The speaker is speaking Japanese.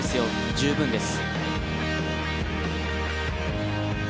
十分です。